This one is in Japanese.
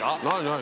何？